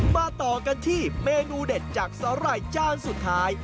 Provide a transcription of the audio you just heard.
ต่อกันที่เมนูเด็ดจากสาหร่ายจานสุดท้าย